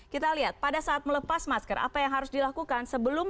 kita lihat pada saat melepas masker apa yang harus dilakukan